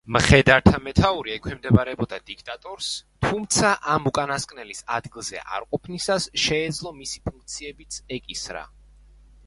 მხედართა მეთაური ექვემდებარებოდა დიქტატორს, თუმცა ამ უკანასკნელის ადგილზე არყოფნისას, შეეძლო მისი ფუნქციებიც ეკისრა.